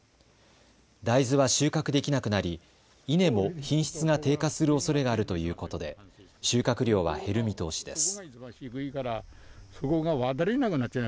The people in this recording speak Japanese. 大豆は収穫できなくなり稲も品質が低下するおそれがあるということで収穫量は減る見通しです。